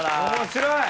面白い！